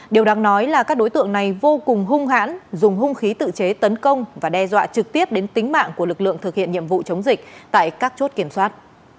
điều đáng nói là các đối tượng này vô cùng hung hãn dùng hung khí tự chế tấn công và đe dọa trực tiếp đến tính mạng của lực lượng thực hiện nhiệm vụ chống dịch tại các chốt kiểm soát